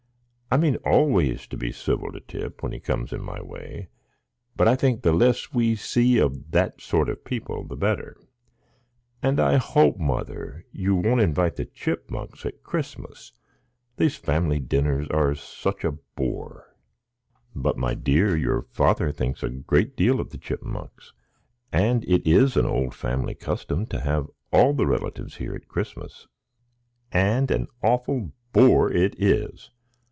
I mean always to be civil to Tip when he comes in my way, but I think the less we see of that sort of people the better; and I hope, mother, you won't invite the Chipmunks at Christmas,—these family dinners are such a bore!" "But, my dear, your father thinks a great deal of the Chipmunks; and it is an old family custom to have all the relatives here at Christmas." "And an awful bore it is!